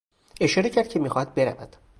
اشاره کرد که میخواهد برود.